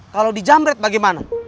kalau di jamret bagaimana